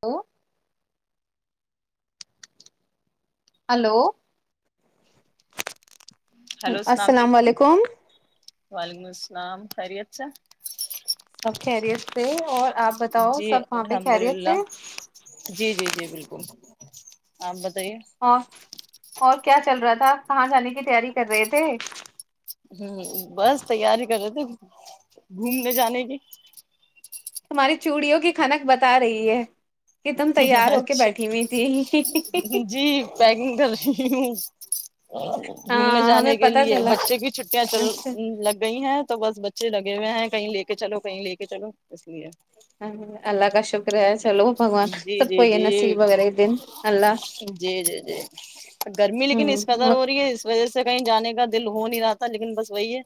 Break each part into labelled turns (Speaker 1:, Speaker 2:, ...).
Speaker 1: Hello hello السلام علیکم
Speaker 2: وعلیکم السلام خیریت سے
Speaker 1: ا خیریت سے اور آپ بتاؤ
Speaker 2: جی
Speaker 1: سب وہاں پہ
Speaker 2: الحمد
Speaker 1: خیریت
Speaker 2: للہ
Speaker 1: سے
Speaker 2: آب [unintelligible]
Speaker 1: اور اور کیا چل رہا تھا کہاں جانے کی تیاری کر رہے تھے
Speaker 2: ہوں بس تیاری کرتے گھومنے جانے کی
Speaker 1: تمہاری چوڑیوں کی کھنک بتا رہی ہے کہ تم تیار ہو کے
Speaker 2: اچھا
Speaker 1: بیٹھی ہوئی تھی [unintelligible]
Speaker 2: ہ [unintelligible] گھومنے
Speaker 1: ہاں ہمیں
Speaker 2: جانے کے
Speaker 1: پتا
Speaker 2: لیے
Speaker 1: چلا
Speaker 2: بچے کی چھٹیاں چل
Speaker 1: اچھا
Speaker 2: لگ گئی ہیں تو بس بچے لگے ہوئے ہیں کہیں لے کے چلو کہیں لے کے چلو اس لیے
Speaker 1: اللہ کا شکر ہے چلو بھگوان
Speaker 2: جی
Speaker 1: سب کو
Speaker 2: جی
Speaker 1: یہ
Speaker 2: جی
Speaker 1: نصیب وغیرہ دن اللہ
Speaker 2: جی جی جی گرمی
Speaker 1: ہ
Speaker 2: لیکن اس قدر ہو رہی ہے اس وجہ سے سے کہیں جانے کا دل ہو نہیں رہاتا لیکن بس وہی ہے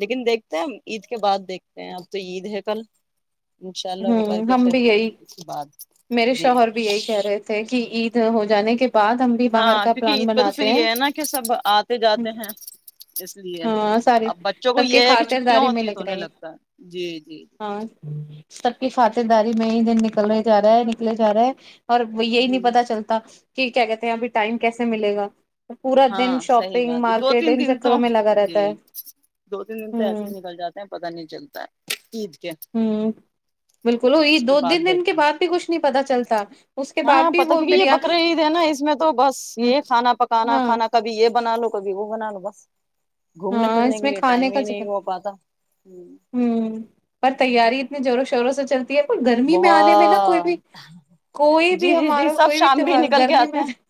Speaker 2: لیکن دیکھتے ہیں عید کے بعد دیکھتے ہیں اب تو عید ہے کل انشاء اللہ وہ
Speaker 1: ہوں
Speaker 2: کر کے
Speaker 1: ہم
Speaker 2: پھر
Speaker 1: بھی گئی
Speaker 2: اس کے بعد
Speaker 1: میرے
Speaker 2: جی
Speaker 1: شوہر بھی یہی کہہ رہے تھے کہ عید ہو جانے کے بعد ہم بھی باہر
Speaker 2: ہاں
Speaker 1: کا
Speaker 2: کیونکہ
Speaker 1: پلان
Speaker 2: عید پہ تو پھر
Speaker 1: بناتے
Speaker 2: یہ ہے
Speaker 1: ہیں
Speaker 2: نا کہ سب آتے جاتے ہیں لیے
Speaker 1: ہاں ساریے
Speaker 2: اب بچوں کو
Speaker 1: سب کی
Speaker 2: یہ ہے کہ چھٹیاں
Speaker 1: خاطرداری میں
Speaker 2: ہوتی ہیں
Speaker 1: لگ
Speaker 2: تو انہیں
Speaker 1: رہے
Speaker 2: لگتا ہے جی جی
Speaker 1: ہاں سب کی خاطرداری میں ک دن نکلنے جا رہا ہے نکلے جا رہا ہے اور یہی
Speaker 2: جی
Speaker 1: نہیں پتا چلتا کہ کیا کہتے ہیں ابھی ٹائم کیسے ملے گا پورا دن
Speaker 2: ہاں صحیح
Speaker 1: شاپنگ
Speaker 2: بات ہے دو
Speaker 1: مارکیٹ
Speaker 2: تین
Speaker 1: ان
Speaker 2: دن تو
Speaker 1: چکروں میں لگا رہتا
Speaker 2: جی
Speaker 1: ہے
Speaker 2: دو تین دن تو ایسے
Speaker 1: ہوں
Speaker 2: ہی نکل جاتے ہیں پتہ نہیں چلتا ہے عید کے
Speaker 1: ہوں بالکل ا یہ
Speaker 2: اس کے
Speaker 1: دو
Speaker 2: بعد
Speaker 1: تین دن کے
Speaker 2: دیکھتے
Speaker 1: بعد بھی کچھ نہیں پتا چلتا اس کے بعد
Speaker 2: ہاں
Speaker 1: بھی
Speaker 2: پتا
Speaker 1: وہ
Speaker 2: کیونکہ یہ
Speaker 1: بریا
Speaker 2: بکرا عید ہے نا اس میں تو بس یہ کھانا پکانا
Speaker 1: ہاں
Speaker 2: کھانا کبھی یہ بنا لو کوب وہ بنا لو بس گھومنے
Speaker 1: ہاں
Speaker 2: پھرنے
Speaker 1: اس
Speaker 2: کے
Speaker 1: میں
Speaker 2: لیے
Speaker 1: کھانے
Speaker 2: ٹائم
Speaker 1: کا
Speaker 2: ہی
Speaker 1: چکر
Speaker 2: نہیں ہو پاتا
Speaker 1: ہوں پر تیاری اتنی زور شوروں سے چلتی پر گرمی میں آنے میں نا کوئی
Speaker 2: بہت
Speaker 1: بھی کوئی
Speaker 2: جی
Speaker 1: بھی
Speaker 2: جی جی
Speaker 1: ہمارا
Speaker 2: سب
Speaker 1: کوئی بھی
Speaker 2: شام میں ہی
Speaker 1: تیوار
Speaker 2: نکل کے
Speaker 1: گرمی
Speaker 2: آتے
Speaker 1: میں
Speaker 2: ہیں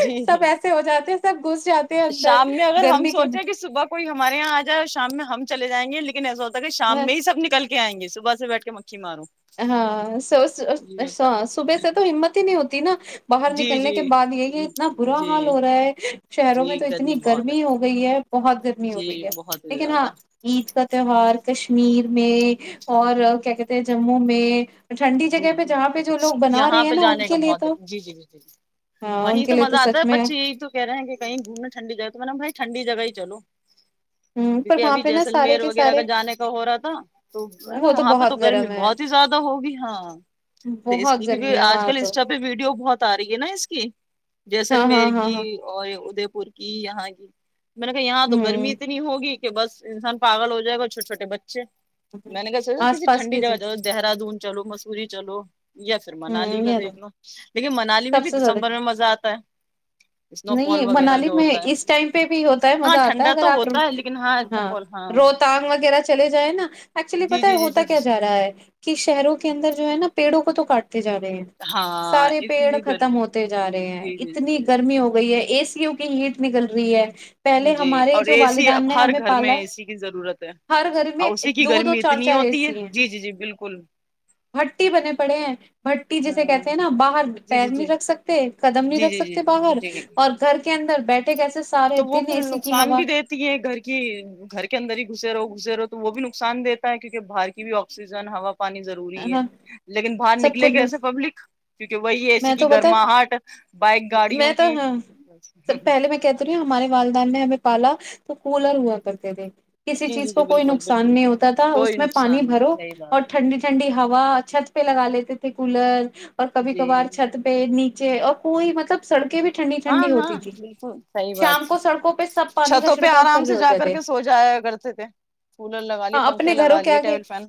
Speaker 2: جی
Speaker 1: سب ایسے ہو جاتے ہیں سب گھس جاتے ہیں اندر
Speaker 2: شام میں اگر ہم
Speaker 1: گرمی کے
Speaker 2: سوچیں کہ صبح کوئی ہمارے یہاں آ جائے اور شام میں ہم چل جائیں گ ل ایسا ہوتا کہ شام میں ہی سب نکل کے آیں گے صبح سے بیٹھ کے مکھی مارو
Speaker 1: ہاں س
Speaker 2: جی ہوتا
Speaker 1: صبح سے تو ہمت ہی نہیں ہوتی نا باہر
Speaker 2: ہے۔ جی
Speaker 1: نکلنے کے بعد یہ یہ
Speaker 2: جی
Speaker 1: اتنا برا حال
Speaker 2: جی
Speaker 1: ہو رہا ہے شہروں میں
Speaker 2: جی
Speaker 1: تو اتنی
Speaker 2: بہت
Speaker 1: گرمی
Speaker 2: ہے
Speaker 1: ہو گئی ہے بہت گرمی ہو
Speaker 2: جی
Speaker 1: گئی ہے
Speaker 2: بہت ہی
Speaker 1: لیکن ہاں
Speaker 2: زیادہ
Speaker 1: عید کا تہوہار کشمیر میں اور کیا کہتے ہیں جموں میں ٹھنڈی
Speaker 2: جی
Speaker 1: جگہ پہ جہاں پہ جو
Speaker 2: ج
Speaker 1: لوگ بنا رہے
Speaker 2: یہاں
Speaker 1: ہیں
Speaker 2: پہ
Speaker 1: نا ان
Speaker 2: جانے کا
Speaker 1: کے لیے
Speaker 2: بہت دل
Speaker 1: تو
Speaker 2: جی جی جی جی جی
Speaker 1: ہاں ان
Speaker 2: وہیں
Speaker 1: کے
Speaker 2: تو
Speaker 1: لیے
Speaker 2: مزہ آتا
Speaker 1: سچ
Speaker 2: ہے
Speaker 1: میں ہ
Speaker 2: بچے یہی تو کہہ رہے ہیں کہیں گھومنا ٹھنڈی جگہ تو مط نے بھائی ٹنڈی جگہ ہی چلو
Speaker 1: پر
Speaker 2: کیونکہ
Speaker 1: وہاں
Speaker 2: ابھی
Speaker 1: پہ نا سارے
Speaker 2: جیسلمیر
Speaker 1: کے
Speaker 2: وغیرہ
Speaker 1: سارے
Speaker 2: کا جانے کا ہو رہا تھا تو
Speaker 1: وہ
Speaker 2: وہاں پہ تو
Speaker 1: بہت
Speaker 2: گرمی
Speaker 1: گرم ہے
Speaker 2: بہت ہی زیادہ ہوگی ہاں اس
Speaker 1: بہت
Speaker 2: لیے کیکہ
Speaker 1: گرمی ہے
Speaker 2: آج
Speaker 1: وہاں
Speaker 2: کل
Speaker 1: تو
Speaker 2: انسٹا پہ ویڈیو جو بہت آ رہی ہے نا اس کی
Speaker 1: ہاں ہاں
Speaker 2: جیسلمیر
Speaker 1: ہاں
Speaker 2: کی
Speaker 1: ہاں
Speaker 2: اور ادے پور کی یہاں کی میں نے کہ یہاں تو گرمی
Speaker 1: ہ
Speaker 2: اتنی ہوگی بس انسان پال ہو جائےا چھو چوٹے بچے اچا میں نے کہ سکتا
Speaker 1: آس
Speaker 2: کسی
Speaker 1: پاس
Speaker 2: ٹھڈی
Speaker 1: کی
Speaker 2: جگہ
Speaker 1: چیز
Speaker 2: ج دہرادون چلو مسوری چلو یا پھر
Speaker 1: ہ
Speaker 2: منالی کا
Speaker 1: یہ
Speaker 2: دیکھنا لیکن منالی میں
Speaker 1: سب
Speaker 2: بھی
Speaker 1: سے زیادہ
Speaker 2: دسمبر میں مزہ آتا ہے اسنو فال
Speaker 1: نہیں
Speaker 2: وغیرہ
Speaker 1: منالی
Speaker 2: جو
Speaker 1: میں
Speaker 2: ہوتا ہے
Speaker 1: اس ٹائم پہ بھی ہوتا ہے
Speaker 2: ہاں
Speaker 1: مزہ آتا ہے
Speaker 2: ٹھنڈا
Speaker 1: اگر
Speaker 2: تو
Speaker 1: آپ
Speaker 2: ہوتا ہے لیکن اس میں
Speaker 1: ہاں
Speaker 2: پول
Speaker 1: روتاانگ وغیرہ چلے جائیں نا ایکچولی
Speaker 2: جی
Speaker 1: پت ہے
Speaker 2: جی جی
Speaker 1: ہوتا
Speaker 2: جی جی
Speaker 1: کیا جا رہا ہے کہ شہروں کے کے اندر جو ہے ن پ تڑووں کو تو کاٹ جا رہے ہیں
Speaker 2: ہاں
Speaker 1: سارے
Speaker 2: اسی
Speaker 1: پیڑ
Speaker 2: لیے
Speaker 1: ختم
Speaker 2: گرمی
Speaker 1: ہوتے جا رہے ہیں
Speaker 2: جی جی
Speaker 1: اتنی
Speaker 2: جی
Speaker 1: گرمی ہو اے سی ہوک ہیٹ نکل رہی ہے پہلے
Speaker 2: جی جی
Speaker 1: ہمارے
Speaker 2: اور
Speaker 1: جو
Speaker 2: اے سی اب
Speaker 1: والدان نے
Speaker 2: ہر
Speaker 1: ہمیں
Speaker 2: گھر
Speaker 1: پالا
Speaker 2: میں
Speaker 1: ہے
Speaker 2: اے سی کی ضرورت ہے
Speaker 1: ہر گھر میں
Speaker 2: اور اسی کی
Speaker 1: دو دو
Speaker 2: گرمی
Speaker 1: چار
Speaker 2: اتنی
Speaker 1: چار
Speaker 2: ہوتی ہے
Speaker 1: ایسی ہیں
Speaker 2: جی جی جی بالکل
Speaker 1: بٹی بنے پڑے ہیں بھٹی جسے
Speaker 2: ہاں
Speaker 1: کہتے ہیں نا باہر
Speaker 2: جی
Speaker 1: پیر
Speaker 2: جی
Speaker 1: نہیں
Speaker 2: جی
Speaker 1: رکھ سکتے قدم نہیں
Speaker 2: جی
Speaker 1: رکھ
Speaker 2: جی
Speaker 1: سکتے
Speaker 2: جی
Speaker 1: باہر
Speaker 2: جی جی
Speaker 1: اور گھر کے اندر بیٹھ
Speaker 2: تو وہ پھر نقصان بھی دیتی ہے گھر کی گھر کے اندر ہی گھسے رہو گھسے رہو تو وہ بھی نقصان دیتا ہے کیونکہ باہر کی بھی آکسیجن ہ ہوا پر پانی ضروری ہے
Speaker 1: ہاں
Speaker 2: لیکن باہر
Speaker 1: سب
Speaker 2: نکلے گ ایسے
Speaker 1: کچھ
Speaker 2: پبلک کیونکہ وہی ایسی
Speaker 1: میں
Speaker 2: کہ
Speaker 1: تو بتا
Speaker 2: گرماہٹ بائک گاڑیوں
Speaker 1: میں تو
Speaker 2: کی
Speaker 1: ہاں سب پہلے میں کہتی ہمارے والدہ نے ہمیں پالا تو کولر ہوا کرتے دیک کسی
Speaker 2: جی
Speaker 1: چیز
Speaker 2: جی جی
Speaker 1: کو کوئی
Speaker 2: بالکل
Speaker 1: نقصان
Speaker 2: بالکل
Speaker 1: نہیں ہوتا تھا اس
Speaker 2: کوئی
Speaker 1: میں پانی
Speaker 2: نقصان نہیں
Speaker 1: بھرو
Speaker 2: صحیح
Speaker 1: اور
Speaker 2: بات
Speaker 1: ٹھنڈی ٹھنڈی ہوا چھت پہ لگا لیتے تھے تو کولر اور
Speaker 2: ہے
Speaker 1: کبھی
Speaker 2: جی
Speaker 1: کبھار چھت پہ ن جیک کوئی مطلب سڑکے بھی ٹھنڈی
Speaker 2: ہاں
Speaker 1: ٹھنڈی
Speaker 2: ہاں
Speaker 1: ہوتی تھی
Speaker 2: بالکل صحیح
Speaker 1: شام
Speaker 2: بات
Speaker 1: کو سڑکوں پہ سب پانی کا
Speaker 2: چھتوں پہ
Speaker 1: چھڑکاو کر
Speaker 2: آرام
Speaker 1: رہے
Speaker 2: سے جا
Speaker 1: ہوتے تھے
Speaker 2: کے سو جایا کرتے تھے کولر لگا لیے
Speaker 1: ہ
Speaker 2: پنکھے
Speaker 1: اپنے گھروں
Speaker 2: لگا
Speaker 1: کے
Speaker 2: لیے
Speaker 1: آگے
Speaker 2: ٹیبل فین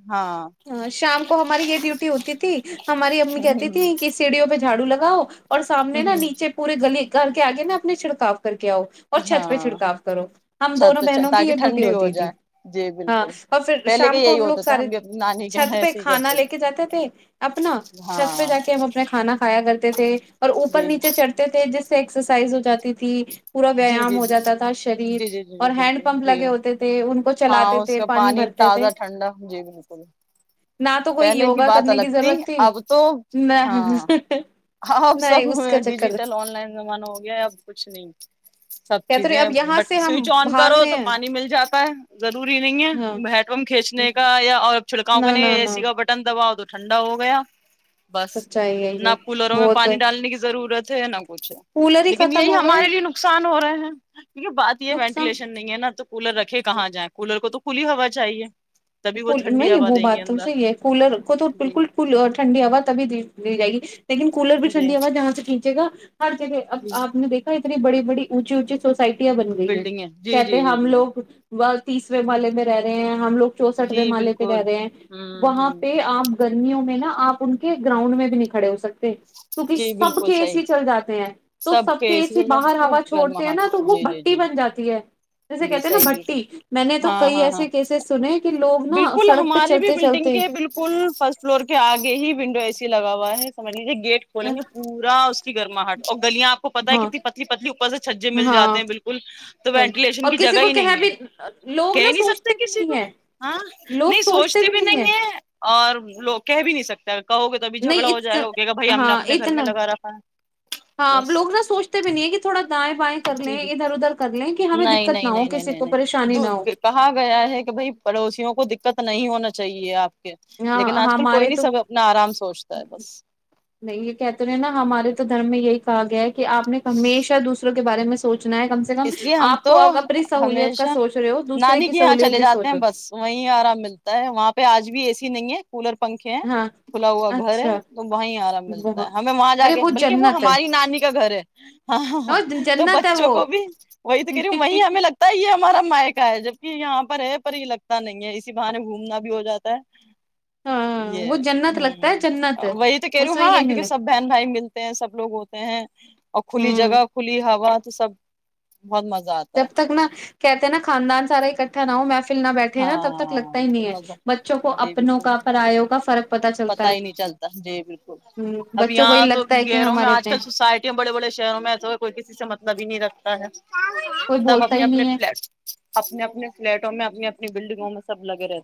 Speaker 1: ہاں شام کو ہماری یہ ڈیوٹی ہوتی تھی ہماری امی کہتی تھی کہ سیڑھیوں پہ جھاڑو لگاؤ اور سامنے نا نیچے پورے گلے کر کے آ گئے نا اپنے چھڑکا کر کے آؤ اور چھت پہ
Speaker 2: ہاں
Speaker 1: چھڑکاو کرو ہم
Speaker 2: چھت
Speaker 1: دونوں
Speaker 2: پہ
Speaker 1: بہنوں کی
Speaker 2: تاکہ
Speaker 1: یہ ڈیوٹی
Speaker 2: ٹھنڈی ہو
Speaker 1: ہوتی تھی
Speaker 2: جائے جی
Speaker 1: ہاں
Speaker 2: بالکل
Speaker 1: اور پھر
Speaker 2: پہلے کے
Speaker 1: شام کو
Speaker 2: یہی
Speaker 1: ہم لوگ
Speaker 2: ہوتا تھا
Speaker 1: سارے
Speaker 2: بھی اپنی نانی کے یہاں
Speaker 1: چھت پہ
Speaker 2: ایسے ہی
Speaker 1: کھانا
Speaker 2: کرتے
Speaker 1: لے کے جاتے تھے اپنا چھت پہ
Speaker 2: ہاں
Speaker 1: جا کے ہم اپنا کھانا کھایا کرتے تھے اوپر
Speaker 2: جی جی
Speaker 1: نیچے چڑھتے تھے جس سے ایکسرسائز ہو جاتی تھی پورا
Speaker 2: جی
Speaker 1: ویایام
Speaker 2: جی
Speaker 1: ہو
Speaker 2: جی
Speaker 1: جاتا تھا
Speaker 2: جی
Speaker 1: شریر
Speaker 2: جی جی جی
Speaker 1: اور ہینڈ
Speaker 2: بالکل
Speaker 1: پمپ
Speaker 2: جی
Speaker 1: لگے ہوتے تھے ان کو
Speaker 2: ہاں
Speaker 1: چلاتے
Speaker 2: اس
Speaker 1: تھے
Speaker 2: کا
Speaker 1: پانی بھرتے تھے
Speaker 2: تازہ ٹھنڈا جی بالکل
Speaker 1: نہ تو کوئی
Speaker 2: پہلے
Speaker 1: یوگا
Speaker 2: بات
Speaker 1: کرنے کی
Speaker 2: الگ
Speaker 1: ضرورت تھی
Speaker 2: اب تو ہاں اب
Speaker 1: نہ نہیں
Speaker 2: سب
Speaker 1: اس کا چکر
Speaker 2: ڈیجیٹل آن لائن زمانہ ہو گیا اب کچھ نہیں سب
Speaker 1: کہتے رہے
Speaker 2: چیزیں
Speaker 1: اب یہاں
Speaker 2: بٹ
Speaker 1: سے ہم
Speaker 2: سوئچ آن
Speaker 1: بھاگ
Speaker 2: کرو
Speaker 1: رہے
Speaker 2: تو
Speaker 1: ہیں
Speaker 2: پانی مل جاتا ہے ضروری نہیں
Speaker 1: ہاں
Speaker 2: ہے ہینڈ پمپ کھینچنے کا یا اور
Speaker 1: نہ
Speaker 2: چھڑکاؤں
Speaker 1: نہ
Speaker 2: اے س
Speaker 1: نہ
Speaker 2: کا بٹن اؤ تو ٹھنڈا ہو گیا بس
Speaker 1: سچائی ہے
Speaker 2: نہ
Speaker 1: یہ
Speaker 2: کولروں میں
Speaker 1: بہت
Speaker 2: پانی ڈالنے کی ضرورت ہے نہ کچھ ہے
Speaker 1: کولر ہی
Speaker 2: لیکن
Speaker 1: ختم
Speaker 2: یہی
Speaker 1: ہو گئے
Speaker 2: ہمارے لیے ہو رہے ہیں کیونکہ بات یہ
Speaker 1: نقصان
Speaker 2: وینٹیلیشن نہیں ہے نا تو کولر رکھے کہاں جائیں کولر کو تو کھلی ہوا چاہیے تبھی وہ ٹھنڈی
Speaker 1: نہیں
Speaker 2: ہوا
Speaker 1: وہ
Speaker 2: دیں گے
Speaker 1: بات تو
Speaker 2: اندر
Speaker 1: صحیح ہے کولر کو تو
Speaker 2: جی
Speaker 1: بالکل کول ٹھنڈی ہوا تبھی دی دی جائے گی لیکن کولر بھی
Speaker 2: جی
Speaker 1: ٹنڈی ہواہاں نچے گا ہر جگہ اب
Speaker 2: جی
Speaker 1: آپ نے دیکھا ہے بڑبڑی اونچی اونچی سوسائٹی یاں بن گئی ہیں
Speaker 2: بلڈنگیں جی
Speaker 1: کہتے
Speaker 2: جی جی
Speaker 1: ہم
Speaker 2: جی
Speaker 1: لوگ وہ تیسرے محلے میں رہے ہیں ہم لوگ چونسٹھوے
Speaker 2: جی
Speaker 1: مالے پہ رہ
Speaker 2: بالکل
Speaker 1: رہے ہیں
Speaker 2: ہوں
Speaker 1: وہاں
Speaker 2: ہوں
Speaker 1: پہ آپ گرمیوں میں نا آپ ان کے گراؤنڈ میں بھی نہیں کڑے ہو سکتے کیونکہ
Speaker 2: جی
Speaker 1: سب
Speaker 2: بالکل
Speaker 1: کے اے
Speaker 2: صحیح
Speaker 1: سی چل جاتے ہیں تو سب کے اے
Speaker 2: اسی
Speaker 1: سی باہر
Speaker 2: تو
Speaker 1: ہوا چھوڑتے ہیں
Speaker 2: گرماہٹ
Speaker 1: نا تو وہ
Speaker 2: جی جی
Speaker 1: بھٹی
Speaker 2: جی
Speaker 1: بن جاتی ہے جیسے
Speaker 2: جی
Speaker 1: کہتے ہیں نا
Speaker 2: صحیح بالکل
Speaker 1: بھٹی میں نے تو
Speaker 2: ہاں
Speaker 1: کئی
Speaker 2: ہاں ہاں
Speaker 1: ایسے کیسز سنے کہ لوگ نا
Speaker 2: بالکل
Speaker 1: سڑک پہ
Speaker 2: ہماری بھی
Speaker 1: چلتے
Speaker 2: بلڈنگ
Speaker 1: چلتے
Speaker 2: کے بالکل فرسٹ فلور کے آگے ہی ونڈو ای س لگا ہوا ہے سمج گیٹ کھولیں گے پورا اس کی گرماہٹ اور گلیاں آپ کو پتہ ہے
Speaker 1: ہاں
Speaker 2: کتنی پتلی پتلی اوپر سے چھجے مل
Speaker 1: ہاں
Speaker 2: جاتے ہیں بالکل تو
Speaker 1: سچ
Speaker 2: وینٹیلیشن
Speaker 1: اور
Speaker 2: کی
Speaker 1: کسی
Speaker 2: جگہ
Speaker 1: کو
Speaker 2: ہی
Speaker 1: کہ
Speaker 2: نہیں ہے
Speaker 1: بھی لوگ
Speaker 2: کہہ
Speaker 1: نا
Speaker 2: نہیں سکتے
Speaker 1: سوچتے بھی
Speaker 2: کسی
Speaker 1: نہیں
Speaker 2: کو
Speaker 1: ہے
Speaker 2: ہاں نہیں سوچتے بھی نہیں ہے اور لو کہہ بھی نہیں سکتے کہ گے توبھی جگڑا ہو
Speaker 1: نہیں
Speaker 2: جائےا
Speaker 1: ہاں یہ تو نہ
Speaker 2: ہے
Speaker 1: ہاں
Speaker 2: بس
Speaker 1: لوگ نہ سوچتے بھی نہیں ہے کہ تھوڑا دائیں بائیں کر
Speaker 2: جی
Speaker 1: لیں
Speaker 2: جی
Speaker 1: ادھر ادھر کر لیں کہ ہمیں
Speaker 2: نہیں
Speaker 1: دقت نہ
Speaker 2: نہیں
Speaker 1: ہو
Speaker 2: نہیں نہیں
Speaker 1: کسی
Speaker 2: نہیں
Speaker 1: کو پریشانی نہ ہو
Speaker 2: نہیں۔۔۔۔۔ کہا گیا ہے کہ بھائی پڑوسیوں کو۔۔۔ دقت نہیں ہونا چاہیے آپ کو۔۔
Speaker 1: ہاں۔ ہمارے تو۔۔۔
Speaker 2: سوچتا ہے بس
Speaker 1: نہیں یہ کہتے ہیں نہ ہمارے تو دھرم میں یہی کہا گیا ہے کہ۔۔ کہ آپ نے ہمیشہ دوسرے کو بارے میں سوچ
Speaker 2: اس لیے ہم تو
Speaker 1: سہولیت کا
Speaker 2: ہمیشہ
Speaker 1: سوچ رہے ہو دوسرے
Speaker 2: نانی
Speaker 1: کی
Speaker 2: کے یہاں
Speaker 1: سہولیت
Speaker 2: چلے
Speaker 1: بھی
Speaker 2: جاتے ہیں
Speaker 1: سوچو
Speaker 2: بس وہیں آرام ملتا ہے وہاں پہ آج بھی ا نہیں ہے [unintelligible] کولر پنکھے ہیں
Speaker 1: ہاں
Speaker 2: کھلا ہوا گھر ہے
Speaker 1: اچھا
Speaker 2: تو وہیں آرام ملتا ہے
Speaker 1: بہت
Speaker 2: ہمیں وہاں جا
Speaker 1: ارے
Speaker 2: کے بلکہ وہ
Speaker 1: جنت ہے
Speaker 2: ہماری نانی کا گھر ہے۔۔ ہاہاں
Speaker 1: اور
Speaker 2: تو
Speaker 1: جنت ہے
Speaker 2: بچوں
Speaker 1: وہ
Speaker 2: کو۔۔۔ کو بھی وہی تو کہہ رہی ہوں وہ ہمیں لگتا ہی۔۔ ہمارا مائقا ہے جبک یہاں پر ہے پر یہ لگتا نہیں ہے اسی بہانے گھومنا بھی ہو جاتا ہے۔۔۔
Speaker 1: ہاں
Speaker 2: یہ
Speaker 1: وہ جنت لگتا ہے
Speaker 2: ھمم
Speaker 1: جنت
Speaker 2: وہی تو کہہ رہی
Speaker 1: اس
Speaker 2: ہوں۔۔
Speaker 1: میں یہ
Speaker 2: ہاں
Speaker 1: نہیں
Speaker 2: کیونکہ
Speaker 1: لگ
Speaker 2: سب بہن بھائی ملتے ہیں سب لوگ ہوتے ہیں اور کھلی
Speaker 1: ہوں
Speaker 2: جگہ کھلی ہوا۔۔ تو سب۔۔ بہت مزہ آتا
Speaker 1: جب
Speaker 2: ہے
Speaker 1: تک نہ کہتے ہیں نہ خاندان سارا اکٹھا نہ ہوں میں۔۔
Speaker 2: ہاں تو مزہ
Speaker 1: بچوں کو
Speaker 2: جی
Speaker 1: اپنوں
Speaker 2: بالکل
Speaker 1: کا پرایوں کا فرق چلتا
Speaker 2: پتا
Speaker 1: ہے
Speaker 2: ہی نہیں چلتا جی بالکل
Speaker 1: ہ
Speaker 2: اب
Speaker 1: بچوں کو یہ
Speaker 2: یہاں تو
Speaker 1: لگتا ہے کہ
Speaker 2: گروں میں
Speaker 1: ہمارے
Speaker 2: آج
Speaker 1: اپنے
Speaker 2: کل سوسائٹییا بڑے بڑے شہروں میں ایسے کوئی کسی سے مطلب ہی نہیں رکھتا ہے
Speaker 1: کوئی
Speaker 2: سب
Speaker 1: بولتا
Speaker 2: اپنے
Speaker 1: ہی
Speaker 2: اپنے
Speaker 1: نہیں ہے
Speaker 2: فلٹ اپنے اپنے فلیٹوں میں اپنی۔۔ نی بلڈنگوں میں سب لگ رہے۔۔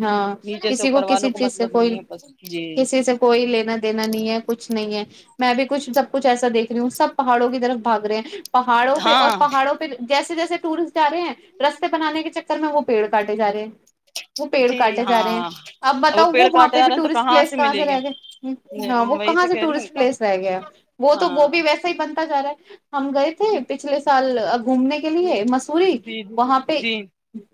Speaker 1: ہاں کسی کو کسی
Speaker 2: والوں
Speaker 1: چیز سے
Speaker 2: مطلب
Speaker 1: کوئی
Speaker 2: نہیں ہے بس جی
Speaker 1: کسی سے کوئی لینا دینا نہیں ہے کچھ نہیں ہے۔۔ میں بھی کچھ سب کچھ ایسا دیکھ رہی ہوں سبہاڑوں کی طرف بھاگ رہے ہیں پہاڑوں پہ اور
Speaker 2: ہاں
Speaker 1: پہاڑوں پہ جیسے جیسےٹورسٹ جا رہے ہیں رستے بنان کے چکر میں وہ پیڑ کاٹےجا رہے ہیں۔۔ وہ پیڑ
Speaker 2: جی
Speaker 1: کاٹے جا رہے ہیں
Speaker 2: ہاں
Speaker 1: آپ
Speaker 2: اور
Speaker 1: بتاؤ
Speaker 2: پیڑ
Speaker 1: وہ وہاں
Speaker 2: کاٹے
Speaker 1: پہ
Speaker 2: جا
Speaker 1: بھی
Speaker 2: رہے ہیں تو
Speaker 1: ٹورسٹ پلیس کہاں
Speaker 2: ملے
Speaker 1: سے
Speaker 2: گا
Speaker 1: رہ گئے ہاں وہ
Speaker 2: وہی
Speaker 1: کہاں
Speaker 2: تو
Speaker 1: سے
Speaker 2: کہہ رہی ہوں
Speaker 1: ٹورسٹ
Speaker 2: کہ
Speaker 1: پلیس رہ گیا وہ تو وہ
Speaker 2: ہاں
Speaker 1: بھی ویسا ہی بنتا جا رہا ہے۔۔ ہم گئے تھے پچھلے سال گھومنے کے لیے مسوری
Speaker 2: جی جی
Speaker 1: وہاں پہ۔۔
Speaker 2: جی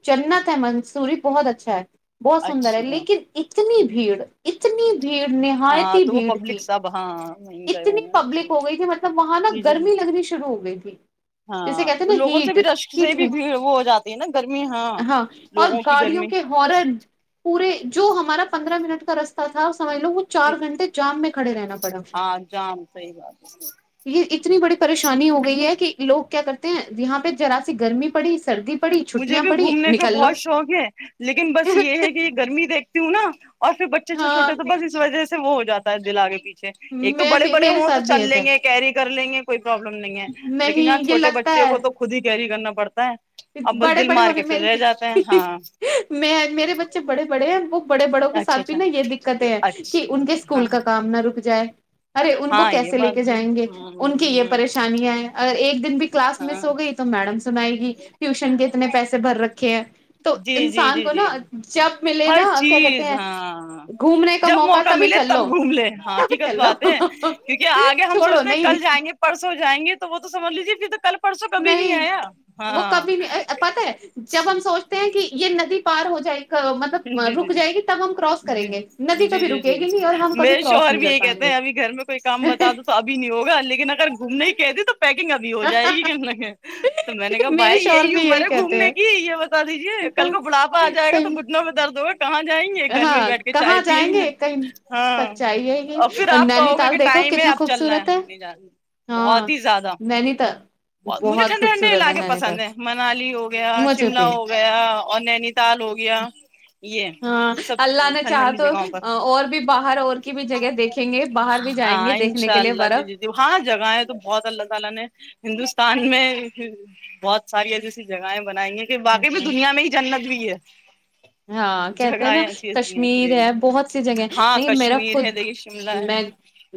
Speaker 1: جنت ہے منسوری۔۔ بہت اچھا ہے بہت سندر ہے
Speaker 2: اچھا
Speaker 1: لیکن اتنی بھیڑ اتنی۔۔ بھیڑ
Speaker 2: ہاں
Speaker 1: نہایتی
Speaker 2: تو وہ
Speaker 1: بھیڑ
Speaker 2: پبلک
Speaker 1: تھی
Speaker 2: سب ہاں وہیں گئے ہوں
Speaker 1: اتنی
Speaker 2: گے نہ
Speaker 1: پبلک ہو گئی تھی مطلب وہاں نا
Speaker 2: جی جی جی
Speaker 1: گرمی لگنی شروع ہو گئی تھی جیسے
Speaker 2: ہاں
Speaker 1: کہتے ہیں نا
Speaker 2: لوگوں سے
Speaker 1: ہیٹ
Speaker 2: بھی رش سے
Speaker 1: ہیٹ
Speaker 2: بھی بھیڑ وہ ہو جاتی ہے نا گرمی ہاں لوگوں۔۔ کی
Speaker 1: گاڑیوں
Speaker 2: گرمی
Speaker 1: کے ہارن پورے جو ہمارا پندرہ منٹ کا رستہ تھا۔۔ سمجھ لو وہ چار
Speaker 2: جی
Speaker 1: گھنٹے جام میں کھڑے رہنا پڑا اس
Speaker 2: ہاں جام صحیح بات
Speaker 1: یہ ایک۔۔ انی بڑی پریشانی ہو گئی ہے کہ لوگ کیا کرتے ہیں یہاں پہ جذرا سی گرمی پڑی سردی بھی
Speaker 2: مجھے بھی گھومنے کا بہت شوق ہے لیکن بس یہ ہے کہ گرمی دیکھ تیوں نا اورفھر بچے چھو
Speaker 1: ہاں
Speaker 2: چوٹے تو بس اس وجہ سے سے وہ ہو جا ہے دل آگے پیھے اچ ایک تو
Speaker 1: میں
Speaker 2: بڑے
Speaker 1: بھی
Speaker 2: بڑے
Speaker 1: میرے
Speaker 2: ہوں تو
Speaker 1: ساتھ بھی
Speaker 2: چل
Speaker 1: ہوتا
Speaker 2: لیں
Speaker 1: ہے
Speaker 2: گے کیری کر لیں گے پروابلم نہیں ہے لیکن یہاں
Speaker 1: نہیں یہ
Speaker 2: چوٹے
Speaker 1: لگتا
Speaker 2: بچے
Speaker 1: ہے
Speaker 2: کو تو خود ہی کیری کرنا پڑ پڑھتا ہے اب بس
Speaker 1: بڑے
Speaker 2: دل
Speaker 1: بڑے
Speaker 2: مار کے
Speaker 1: ہونے
Speaker 2: پھر رہ جاتے ہیں
Speaker 1: میرے
Speaker 2: ہاں
Speaker 1: میں میرے بچے بڑے بڑے ہیں وہ بڑے بڑوں کے
Speaker 2: اچھا
Speaker 1: ساتھ بھی
Speaker 2: اچھا
Speaker 1: نا یہ دقتیں ہیں کہ
Speaker 2: اچھی
Speaker 1: ان کے
Speaker 2: ہاں
Speaker 1: اسکول کا کام نہ رک جائے ج [unintelligible] ارے ان کو
Speaker 2: ہاں یہ
Speaker 1: کیسے لے
Speaker 2: بات
Speaker 1: کے
Speaker 2: بھی
Speaker 1: جائیں گے
Speaker 2: ہ
Speaker 1: ان کی یہ
Speaker 2: ہ
Speaker 1: پریشانیاں ہیں ا ایک دن بی [unintelligible] کلاس
Speaker 2: ہاں
Speaker 1: مس ہو گئی تو میڈم سنائے گی ٹیوشن کے اتنے پیسے بھر رکھے ہیں تو
Speaker 2: جی جی
Speaker 1: انسان
Speaker 2: جی
Speaker 1: کو
Speaker 2: جی
Speaker 1: نا جب ملے
Speaker 2: ہر
Speaker 1: نا کیا کہتے
Speaker 2: چیز
Speaker 1: ہیں
Speaker 2: ہاں
Speaker 1: گھومنے کا
Speaker 2: جب
Speaker 1: موقع تبھی
Speaker 2: ملے
Speaker 1: چل
Speaker 2: تب
Speaker 1: لو
Speaker 2: گھوم لے ہاں
Speaker 1: تبھی
Speaker 2: حقیقت
Speaker 1: چل
Speaker 2: بات ہے
Speaker 1: لو
Speaker 2: کیونکہ آگے ہم
Speaker 1: چھوڑو
Speaker 2: سوچ رہے ہیں
Speaker 1: نہیں
Speaker 2: کل جائیں گے پرسوں جائیں گے تو وہ تومجھ لیجیے پھر تک
Speaker 1: نہیں وہ کبھی نہیں پت ہے جب ہم سوچتے ہیں کہ یہ ندی پار ہوتی
Speaker 2: جی جی جی جی
Speaker 1: کراس کریں گے ندی
Speaker 2: ج جی
Speaker 1: کبھی
Speaker 2: جی
Speaker 1: رکے گی نہیں اور ہم
Speaker 2: جی
Speaker 1: کبھی
Speaker 2: میرے
Speaker 1: کراس
Speaker 2: شوہر
Speaker 1: نہیں
Speaker 2: بھی
Speaker 1: کر
Speaker 2: یہی
Speaker 1: پائیں
Speaker 2: کہتے
Speaker 1: گے
Speaker 2: ہیں ابھی گھر میں کوئی کام بتا دو تو ابھی نہیں ہوگا لیکن اگر گھومنے ہی کہ د تو پے ابھی ہو جائے گی کہ کہ تو میں نے کہا
Speaker 1: میرے
Speaker 2: بھائی
Speaker 1: شوہر
Speaker 2: یہی ہ
Speaker 1: بھی
Speaker 2: مارے
Speaker 1: کہتے
Speaker 2: گھومنے کی یہ بس بتا دیجیے
Speaker 1: ہیں
Speaker 2: کل کو بڑلاپ آ جائے گ تو
Speaker 1: صحیح
Speaker 2: ب درد ہو کہاں جائیں گے گھر میں
Speaker 1: ہاں
Speaker 2: بیٹھ کے چائے
Speaker 1: کہاں
Speaker 2: پییں
Speaker 1: جائیں
Speaker 2: گے
Speaker 1: کہیں
Speaker 2: ہاں
Speaker 1: سچائی ہے
Speaker 2: اور
Speaker 1: یہ
Speaker 2: پھر آپ
Speaker 1: نینی
Speaker 2: کہوگا کہ
Speaker 1: تال دیکھو
Speaker 2: ٹائم ہے
Speaker 1: کتنا
Speaker 2: اب چلنا ہے
Speaker 1: خوبصورت
Speaker 2: نہیں جانا
Speaker 1: ہاں
Speaker 2: بہت ہی زیادہ
Speaker 1: نینی تال
Speaker 2: بت مجھے
Speaker 1: بہت
Speaker 2: ٹھنڈے ٹھنڈے
Speaker 1: خوبصورت ہے
Speaker 2: علاقے
Speaker 1: نینی تال
Speaker 2: پسند ہیں منالی ہو گیا
Speaker 1: مجھے
Speaker 2: شملہ
Speaker 1: بھی
Speaker 2: ہو گیا اور نینی تال ہو گیا یہ
Speaker 1: ہاں اللہ نے چاہا
Speaker 2: سبی
Speaker 1: تو
Speaker 2: جگہوں پر
Speaker 1: اور بھی باہر اور کی بھی جگہ دیکھیں گے باہر بھی جائیں گے
Speaker 2: ہاں
Speaker 1: دیکھنے کے لیے
Speaker 2: انشاءاللہ جی
Speaker 1: برف
Speaker 2: جی ہاں جگہ ہے تو بہت اللہ تعالی نے ستان میں بہت ساری ای جیسی جگہیں بنائیں گے کہ باقی بھی دنیا میں ہی جنت بھی ہے [inaudible]
Speaker 1: ہاں کہتے ہیں نا
Speaker 2: جگہیں ایسی ایسی ہیں
Speaker 1: کشمیر
Speaker 2: جی
Speaker 1: ہے بہت سی جگہ
Speaker 2: ہاں
Speaker 1: نہیں میرا
Speaker 2: کشمیر
Speaker 1: خود
Speaker 2: ہے دیکھیے شملہ ہے
Speaker 1: میں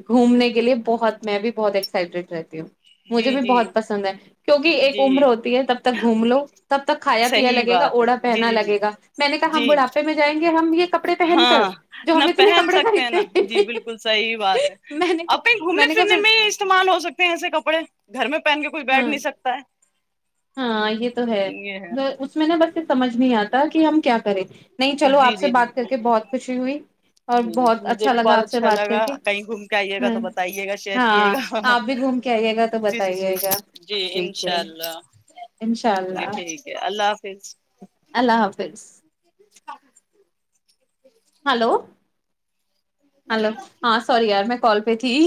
Speaker 1: گھومنے کے لیے بہت میں بھی بہت سیبریٹ رہتی ہوں مجھے
Speaker 2: جی
Speaker 1: بھی
Speaker 2: جی
Speaker 1: بہت پسند ہے کیونکہ ایک
Speaker 2: جی
Speaker 1: عمر ہوتی ہے تب تک گھوم لو تب تک کھایا پیا
Speaker 2: صحیح
Speaker 1: لگے گا
Speaker 2: بات
Speaker 1: اوڑا
Speaker 2: ہے جی
Speaker 1: پہنا
Speaker 2: جی جی
Speaker 1: لگے گا میں نے کہا ہم
Speaker 2: جی
Speaker 1: بڑھاپے میں جائیں گے ہم یہ کپڑے پہن کر
Speaker 2: ہاں
Speaker 1: جو
Speaker 2: نہ
Speaker 1: ہم اتنے
Speaker 2: پہن
Speaker 1: کپڑے
Speaker 2: سکتے ہیں نا
Speaker 1: خریدتے
Speaker 2: جی بالکل صحیح بات ہے
Speaker 1: میں نے کہا
Speaker 2: اپ کہیں گھومنے
Speaker 1: نے کہا
Speaker 2: پھرنے
Speaker 1: پھر
Speaker 2: میں ہی استعمال ہو سکتے ہیں ایسے کپڑے گھر میں پہن کے کوھ بیٹھ
Speaker 1: ہاں
Speaker 2: نہیں سکتا ہے
Speaker 1: ہاں یہ تو ہے
Speaker 2: یہ ہے
Speaker 1: اس میں نا بس یہ سمجھ نہیں آتی کہ ہم کیا کریں نہیں چلو
Speaker 2: جی
Speaker 1: آپ سے
Speaker 2: جی جی
Speaker 1: بات کر کے بہت خوشی ہوئی اور
Speaker 2: جی جی جی
Speaker 1: بہت
Speaker 2: مجھے
Speaker 1: اچھا
Speaker 2: بھی
Speaker 1: لگا
Speaker 2: بہت
Speaker 1: آپ سے
Speaker 2: اچھا
Speaker 1: بات کر
Speaker 2: لگا
Speaker 1: کے
Speaker 2: کہیں گھوم کے آئیے گا
Speaker 1: ہ
Speaker 2: تو بتائیے گا شیئر کیے
Speaker 1: ہاں
Speaker 2: گا
Speaker 1: آپ بھی گھوم کے آئیے گا تو
Speaker 2: جی جی جی
Speaker 1: بتائیے گا
Speaker 2: جی
Speaker 1: ٹھیک ہے
Speaker 2: انشاء اللہ
Speaker 1: ان شاء اللہ
Speaker 2: ٹھیک ہے اللہ حافظ
Speaker 1: اللہ حافظ
Speaker 2: ہاں
Speaker 1: ہلو ہلو ہاں ساری یار میں کال پہ تھی